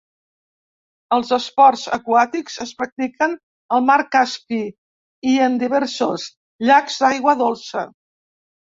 Els esports aquàtics es practiquen al mar Caspi i en diversos llacs d'aigua dolça.